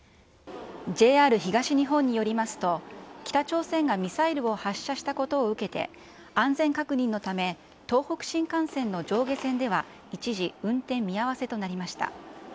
ＪＲ東日本によりますと、北朝鮮がミサイルを発射したことを受けて、安全確認のため、東北新幹線の上下線では一時運転見合わせとなりました。